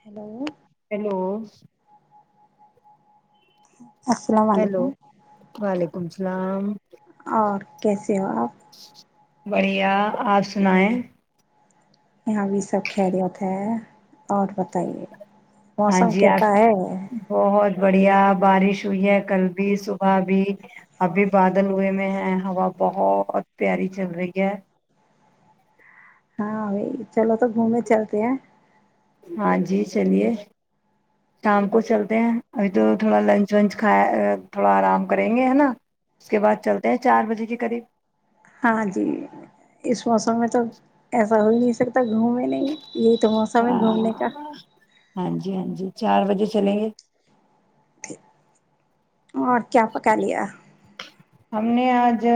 hello hello [unintelligible] hello علیکم وعلیکم الل اسلام اور کیسے ہو آپ بڑھیا آپ سنائیں یہاں بھی سب خیریت ہے اور بتائیے ہاں موسم جی آپ کہتا ہے بہت بڑھیا بارش ہوئی ہے کل بھی صبح بھی ابھی بادل ہوئے میں ہے ہوا بہت پیاری چل رہی ہے ہاں چلو تو گھومنے چلتے ہیں ہاں جی چلیے شام کو چلتے ہیں ابھی تو تھوڑا لنچ ونچ کھاائے تھوڑا آرام کریں گے ہے نا اس کے بعد چلتے ہیں چار بجے کے قریب ہاں جی اس موسم میں تو ایسا ہو ہی نہیں سکتا گھومے نہیں یہی تو موسم ہے ہاں گھومنے کا ہاں جی ہاں جی چار بجے چلیں گے اور کیا پکا لیا ہم نے آج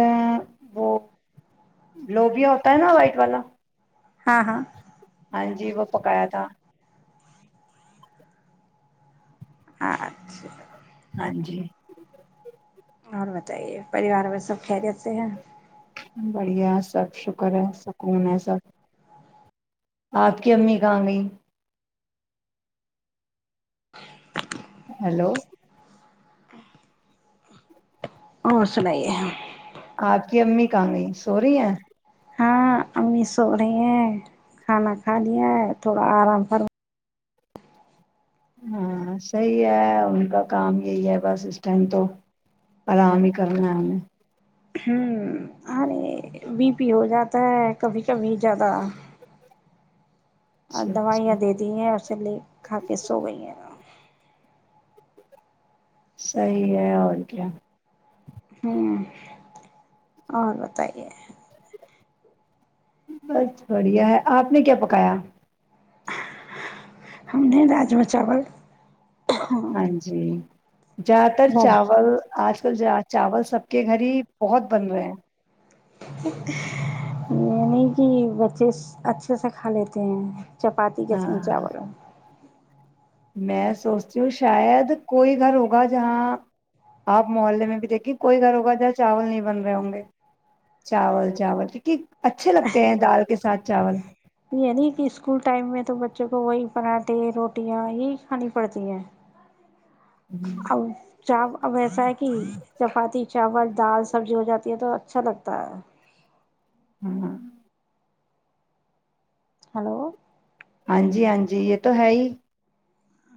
وہ للوبیا ہوتا ہے نا وائٹ والا ہاں ہاں ہاں جی وہ پکایا تھا اچھا ہاں جی اور بتائیے پریوار میں سب خیریت سے ہیں بڑھیا ہے سب شکر ہے سکون ہے سب آپ کی امی کہاں گئی ہلو اور سنائیے آپ کی امی کاں گئی سو رہی ہیں ہاں امی سو رہی ہیں کھانا کھا لیا تھوڑا آرام کرھر ہاں صحیح ہے ان کا کام یہی ہے بس اس ٹائم تو آرام ہی کرنا ہے ہمہیں ہ ارے بی پی ہو جاتا ہے کبھی کبھی زیادہ اور اچھا اچھا دوائیاں دے دی ہیں اورھر لے کھا کے سو گئی ہیں صحیح ہے اور کیا ہوں اور بتائیے بس بڑھیا ہے آپ نے کیا پکایا ہم نے راجم چاول ہاں جی جیاد تر راج چاول ا چاول سب کے گھر ہی بہت بن رہے ہیں یہ نہیں کہ بچے اچھے سے کھا لیتے ہیں چپاتی کے س ہاں چاول میں سوچتی ہوں شاید کوئی گھر ہوگا جہاں آپ محلے میں بھی دیکھیے کوئی گھر ہوگا جہاں چاول نہیں بن رہے ہوں گے چاول چاول یک اچھے لگتے ہیں دال کے ساتھ چاول یہ نہیں کہ اسکول ٹائم میں تو وہی پراٹھے روٹیاں یہی کھانی پڑتی ہیں ہوں اب چا اب ایسا ہے کہ چپاتی چاول دال سبزی ہو جاتی ہے تو اچھا لگتا ہے ہاں ہلو ہاں جی ہاں جی یہ تو ہے ہی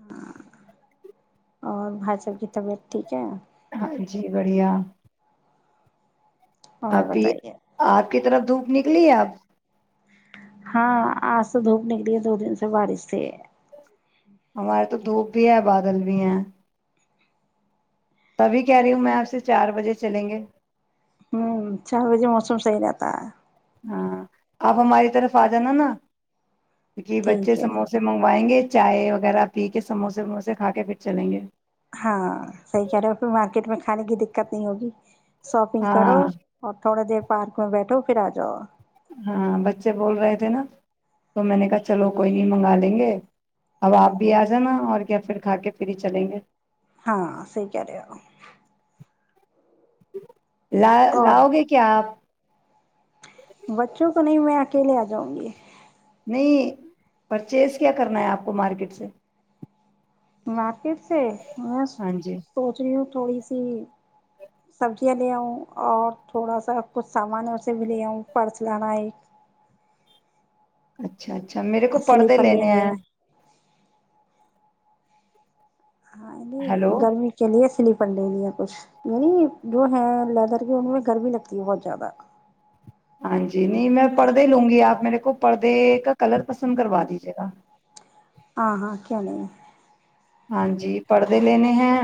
ہ اور بھائی سا کی طبیعت ٹھیک ہے ہاں جی بڑھیا [inaudible] اور ابھی بتائیے آپ کے طرف دھوپ نکلی ہے اب ہاں آج تو دھوپ نکلی ہے دو دن سے بارش سے ہمارے تو دھوپ بھی ہے بادل بھی ہیں تبھی کہہ رہی ہوں میں آپ سے چار بجے چلیں گے چار بجے موسم صحیح رہتا ہے ہاں آپ ہماری طرف آ جانا نا جی بچے ٹھیک ہے سموسے منگوائیں گے چائے وغیرہ پی کے سموسے وموسے کھا کے پھر چلیں گے ہاں صحیح کہہ رہے ہو پھر مارکیٹ میں کھانے کی دقت نہیں ہوگی شاپنگ ہاں کرو اور تھوڑے دیر پارک میں بیٹھو پھر آ جاؤ ہاں بچے بول رہے تھے نا تو میں نے کہا چلو کوئی نہیں منگا لیں گے اب آپ بھی آ جانا اور کیا پھر کھا کے پھر ہی چلیں گے ہاں صحیح کہہ رہے ہو [inaudible] لا اور لاؤ گے کیا آپ بچوں کو نہیں میں اکیلے آ جاؤں گی نہیں پرچیز کیا کرنا ہے آپ کو مارکیٹ سے مارکیٹ سے میں ہاں جی سوچ رہی ہووں تھوڑی سی سبزیاں لےؤوںں اور تھوڑا سا کچھ سامان سے بھی لیا ہوں پرس [inaudible] اچھا اچھا اچھا میرے کو پردے سلیپر لینے لینی ہے ہیںئے ہاں ہیلو گرمی کے لیے سلیپ پنڈے لیا کچھ یعنی جو ہے لیدر کے ان میں گرمی لگتی ہے بہت زیادہ ہاں جی جی نہیں میں پڑھ د لوں گی آپ میرے کو پردے کا کلر پسند کروا دیجیے گا ہاں ہاں کیا نہیں ہے ہاں جی پردے لینے ہیں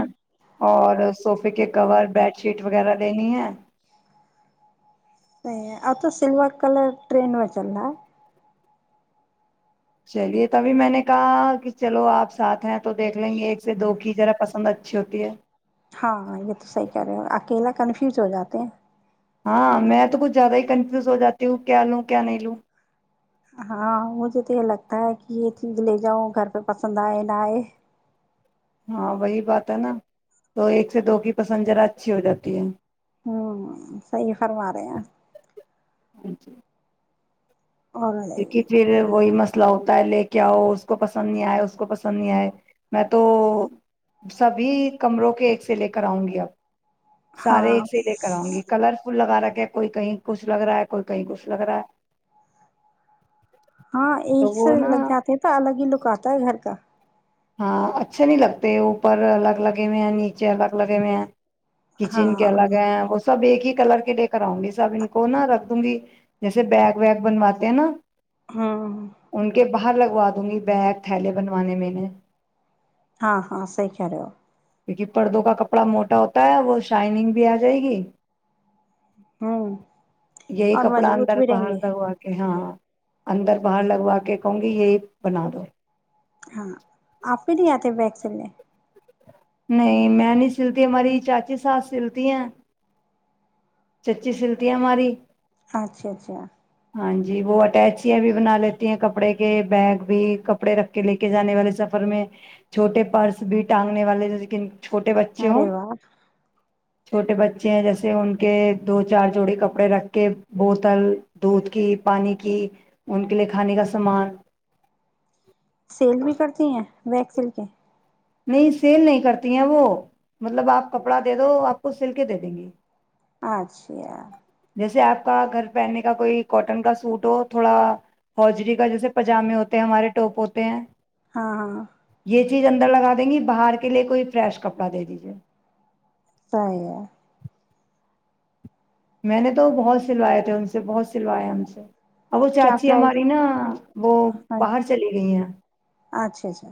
اور صوفے کے کور بیڈ شیٹ وغیرہ لینی ہے اپ کا سلور کلر ٹرین میں چلنا ہے چلیے تبھی میں نے کہا کہ چلو آپ ساتھ ہیں تو دیکھ لیں گے ایک سے دو کی جذرا پسند اچھی ہوتی ہے ہاں یہ تو صحیح کرہ رہے اکیلا کنفیوز ہو جاتے ہیں ہاں میں تو کچھ زیادہ ہی کنفیوز ہو جاتی ہوں کیا لوں کیا نہیں لوں ہاں مجھے تو یہ لگتا ہے کہ یہ چیز لے جاؤ گھر پہ پسند آئے نہ آئے ہاں وہی بات ہے نا تو ایک سے دو کی پسنجر اچھی ہو جاتی ہے صحیح فرما رہے ہیں [inaudible] اور کیونکہ پھر وہی مس ملہ ہوتا ہے لے کے آؤ اس کو پسند نہیں آئے اس کو پسند نہیں آئے میں تو سبھی کمروں کے ایک سے لے کر آؤں گی اب ہاں سارے ایک سے لے کر آؤں گی کلر فل لگا رکھ کہ کوئی کہیں کچھ لگ رہا ہے کوئی کہیں کچھ لگ رہا ہے ہاں تو ایک سے وہ نا لگ جاتے ہیں تو الگ ہی لک آتا ہے گھر کا ہاں اچھے نہیں لگتے اوپر الگ لگے ہوئے ہیں نیچے الگ لگے ہوئے ہیں کچن کے ہاں الگ ہیں وہ سب ایک ہی کلر کے لے کر آؤں گی سب ان کو نا رکھ دوں گی جیسے بیگ ویگ بنواتے ہیں نا ہاں ان کے باہر لگوا دوں گی بیگ تھیلے بنوانے میں نے ہاں ہاں صحی کر رہے ہو کیونکہ پردوں کا کپڑا موٹا ہوتا ہے وہ شائننگ بھی آ جائے گی ہو ہوں یہی اور کپڑا مضبوط اندر بھی رہیں گے برتا ہوا کہ ہاں اندر باہر لگوا کے کہوں گی یہی بنا دو ہاں آپ پ نہیں آتے بیگ سےے نہیں میں نہیں سلتی ہماری چاچی ساتھ سلتی ہیں چچی سلٹیاں ماری اچھا اچھا ہاں جی وہ اٹیچیاں بھی بنا لیتی ہیں کپڑے کے بیگ بھی کپڑے رکھ کے لے کے جانے والے سفر میں چھوٹے پرس بھی ٹانگنے والے لیکن چھوٹے بچے ارے ہوں واہ چھوٹے بچے ہیں جیسے ان کے دو چار جوڑی کپڑے رکھ کے بوتل دودھ کی پانی کی ان کے لیے کھانے کا سامان سیل بھی کرتی ہیں ویکسل کے نہیں سیل نہیں کرتی ہیں وہ مطلب آپ کپڑا دے دو آپ کو سل کے دے دیں گی اچھا جیسے آپ کا گھر پہننے کا کوئی کوٹن کا سوٹ ہو تھوڑا ہاجری کا جیسے پجامے ہوتے ہیں ہمارے ٹاپ ہوتے ہیں ہاں ہاں یہ چیز اندر لگا دیں گی باہر کے لیے کوئی فریش کپڑا دے دیجیے صی ہے میں نے تو بہت سلوائے تھے ان سے بہت سلوائے ان سے ا وہ کیا چاچی پرائز ہماری نا وہ باہر چلی گئی ہے اچھا اچھا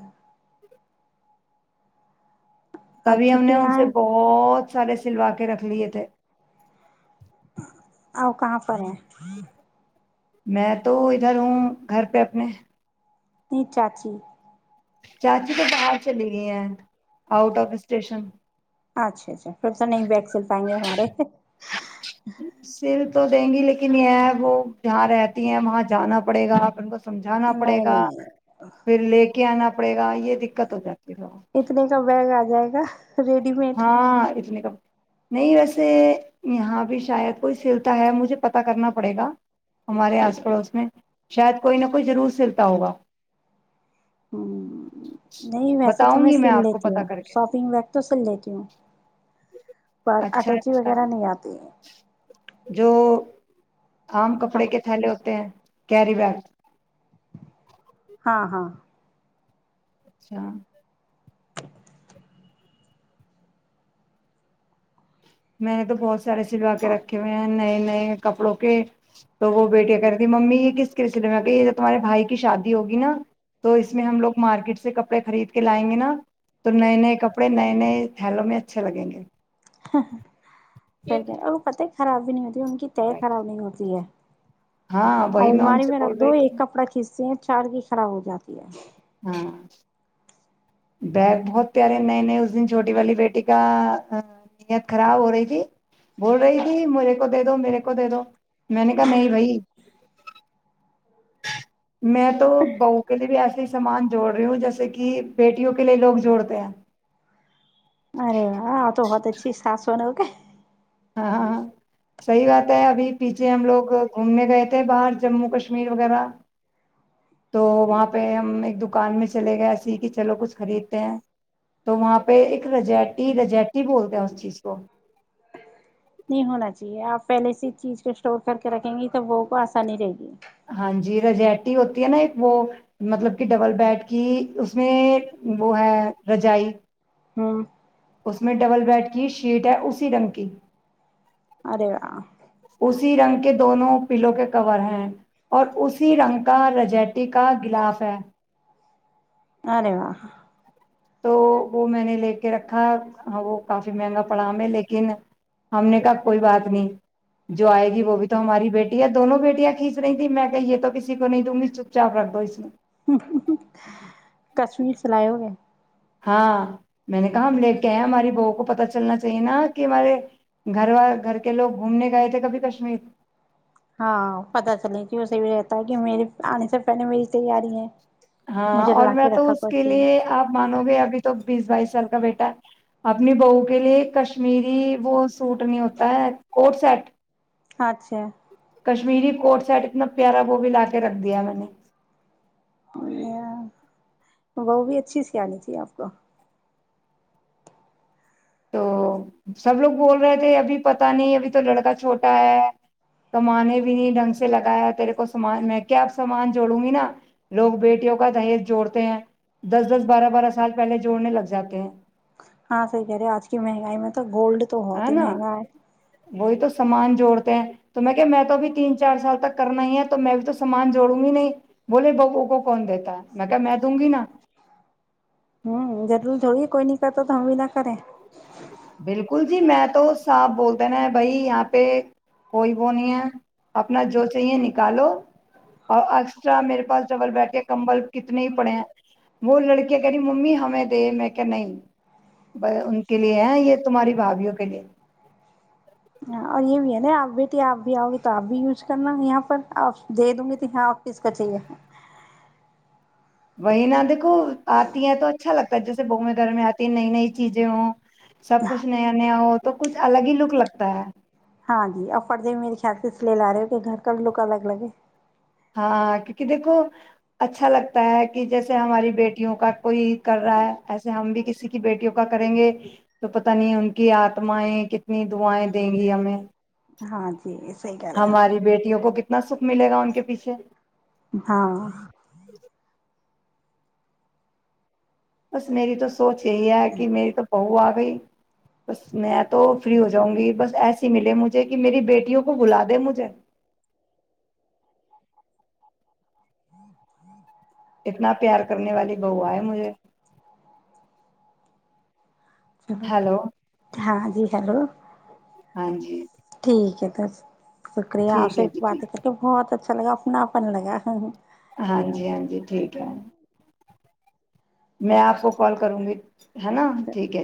اور تبھی ہم نے چھٹیاں ان سے ہیں بہت سارے سلوا کے رکھ لیے تھے آ کہاں پر ہے میں تو ادھر ہوں گھر پہ اپنے نہیں چاچی چاچی تو باہر چلی گئی ہیں آؤٹ آف اسٹیشن اچھا اچھا پھر سےا نہیں بیگ سل پائیں گے ہمارے سرف تو دیں گی لیکن یہ ہے وہ جاں رہتی ہیں وہاں جانا پڑے گا آپ ب سمجھانا پڑے نہیں گا نہیں پھر لے کے کے آنا پڑے گا یہ دقت ہو ج اتنے کا و گا ہو جائے گا ریڈی مڈ ہاں نہیں ویسے یہاں بھی شاید کوئی سلتا ہے مجھے پتا کرنا پڑے گا ہمارے آس پڑوس میں شاید کوئی نہ کوئی ضرور سلتا ہوگا نہیں ویسے تو بتاؤں میں گی سل آپ کو لیتی پتا ہوں کر کے شاپنگ بیگ تو سل پر اچھا اٹیچی اچھا وغیرہ نہیں آتی آام کپڑے ہاں کے تھالے ہوتے ہیں کیری بگ ہاں ہاں اچھا میں نے تو بہت سارے سلوا کے صحیح رکھے ہوئے ہیں نئے نئے کپڑوں کے تو وہ بیٹیا کہہ رہی تھی ممی یہ کس قس میں یہ جو تمہارے بھائی کی شادی ہوگی نا تو اس میں ہم لوگ مارکیٹ سے کپڑے خرید کے لائیں گے نا تو نئے نئے کپڑے نئے نئے تھیلوں میں اچھے لگیں گے ہاں ہاں سیک وہ پت ہی خراب نہیں ہوتی ان کی طے خراب نہیں ہوتی ہے ہاں وہی میں ان الماری سے میںیرا بول دو رہی ایک تھی کپڑا کھینچتے ہیں چار کی خراب ہو جاتی ہے ہاں بیگ بہت پیارے نئے نئے اس دن چھوٹی والی بیٹی کا نیت خراب ہو رہی تھی بول رہی تھی مجھے کو دے دو میرے کو دے دو میں نے کہا نہیں بھائی میں تو بہ کے لیے بھی ایس سامان جوڑ رہی ہوں جیسے کہ بیٹیوں کے لیے لوگ جوڑتے ہیں اچ شاسو ن ہو کیا ہاں ہاں ہاں صحیح بات ہے ابھی پیچھے ہم لوگ گھومنے گئے تھے باہر جموں کشمیر وغیرہ تو وہاں پہ ہم ایک دکان میں چلے گئے ایسے ہی کہ چلو کچھ خریدتے ہیں تو وہاں پہ ایک رجیٹی رجائٹی بولتے ہیں اس چیز کو نہیں ہونا چاہیے آپ پہلے سے چیز کو اسٹور کر کے رکھیں گی تب وہوں کو آسانی رہے گی ہاں جی رجیٹی ہوتی ہے نا ایک وہ مطلب کہ ڈبل بیڈ کی اس میں وہ ہے رجائی ہوں اس میں ڈبل بیڈ کی شیٹ ہے اسی رنگ کی ارے وا رنگ کے دونوں پلوں کے کور ہیں اور اسی رنگ کا رجیٹی کا گلاف ہے ہرے وا تو وہ میں نے لے کے رکھا ہاں وہ کافی مہنگا پڑا ہم میں لیکن ہم نے کہا کوئی بات نہیں جو آئے گی وہ بھی تو ہماری بیٹی ہے دونوں بیٹیاں کھینچ رہی تیں میں کہ یہ تو کسی کو نہیں دوں گی چپ چاپ رکھ دو اس میں کشمیر سے لائے ہو گئے ہاں میں نے کہا ہم لٹ کے آئے ہیں ہماری بو کو پت چلنا چاہیے نا کہ ہمارے گھر وال گھر کے لوگ گھومنے گئے تھے کبھی کشمیر ہاں پتہ چلے کہ اسے بھی رہتا کہ میرے آنے سے پہلے میری تیاری ہے ہاں مجھے اور لا میں تو رکھا اس کوئی کے لیے چیز آپ مانو گے ابھی تو بیس بائیس سال کا بیٹا ہے اپنی بہو کے لیے کشمیری وہ سوٹ نہیں ہوتا ہے کوٹ سیٹ اچھا کشمیری کوٹ سیٹ اتنا پیارا وہ بھی لا کے رکھ دیا میں نے یا وہ بھی اچھی سی آنی چاہیے آپ کو تو سب لوگ بول رہے تھے ابھی پت نہیں ابھی تو لڑکا چھوٹا ہے کمانے بھی نہیں ڈھنگ سے لگایا تیرے کو سامان میں کیا اب سامان جوڑوں گی نا لوگ بیٹیوں کا دہیز جوڑتے ہیں دس دس بارہ بارہ سال پہلے جوڑنے لگ جاتے ہیں ہاں صحی کہہ رہے ہیں آج کی مہنگائی میں تو گولڈ تو بہت ہے ہی نا مہنگا ہے وہی تو سامان جوڑتے ہیں تو میں کہ میں تو ابھی تین چار سال تک کرنا ہی ہے تو میں بھی تو سامان جوڑوں گی نہیں بولے ببو کو کون دیتا ہے میں کہ میں دوں گی نا ہوں جٹل تھوڑی کوئی نہیں کرتا تو ہم بھی نہ کریں بالکل جی میں تو صاف بولتے نا بھائی یہاں پہ کوئی وہ نہیں ہے اپنا جو چاہیے نکالو اور اسٹرا میرے پاس ڈبل بیٹھے کمبل کتنے ہی پڑے ہیں وہ لڑکیاں کہہ رہی ممی ہمیں دے میں کہ نہیں ان کے لیے ہیں یہ تمہاری بھابھیوں کے لیے ہ اور یہ بھی ہے نا آپ بیٹیے آپ بھی آؤ گے تو آپ بھی یوز کرنا یہاں پر آپ دے د گی تو یہاں آ کس کا چاہیے وہی نہا دیکھو آتی ہے تو اچھا لگتا ہے جیسے بوے دھر میں آتی ہے نئی نئی چیزیں ہووں سب کچھ نیا نیا ہو تو کچھ الگ ہی لک لگتا ہے ہاں جی ا فر ج میرے خیال سے اس لیے لا رہے ہو کہ گھر کوگ ا الگ الگ ہے ہاں کیونکہ دیکھو اچھا لگتا ہے کہ جیسے ہماری بیٹیوں کا کوئی کر رہا ہے ایسے ہم بھی کسی کی بیٹیوں کا کریں گے تو پت نہیں ان کی آتمائیں کتنی دعائیں دیں گی ہمیں ہاں جی صحیح کہہ رہے ہو ہماری بیٹیوں کو کتنے کتنا سکھ ملے گا ان کے پیچھے ہاں بس میری تو سوچ یہی ہے کہ میری تو بہو آ بھائی بس میں تو فری ہو جاؤں گی بس ایسی ملے مجھے کہ میری بیٹیوں کو بلا دے مجھے ہوں ہوں اتنا پیار کرنے والی بو آ ہے مجھے چلو ہیلو ہاں جی ہیلو ہاں جی ٹھیک ہے تس شکریہ آپ ٹھیک سے ہے جی باتیں ٹھیک کر کے بہت اچھا اچھا لگا اپنا اپن لگا ہے ہاں جی ہاں جی ٹھیک ہے میں آپ کو کال کروں گی ہے نا ٹھیک ہے